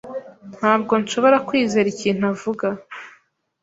Ntabwo nshobora kwizera ikintu avuga.